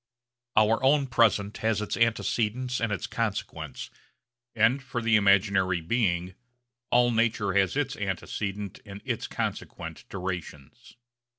Our own present has its antecedents and its consequents, and for the imaginary being all nature has its antecedent and its consequent durations.